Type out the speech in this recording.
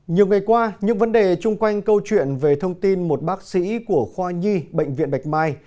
nhiều ngày qua những vấn đề chung quanh câu chuyện về thông tin một bác sĩ của khoa nhi bệnh viện bạch mai